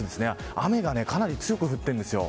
雨が、かなり強く降っているんですよ。